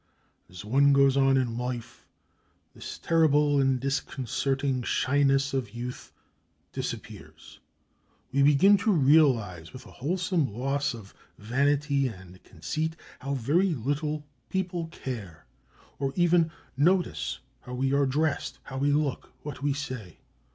As one goes on in life, this terrible and disconcerting shyness of youth disappears. We begin to realise, with a wholesome loss of vanity and conceit, how very little people care or even notice how we are dressed, how we look, what we say.